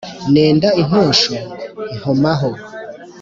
nenda intosho nkomaho.